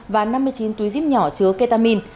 và năm mươi chín túi díp nhỏ chứa ketamin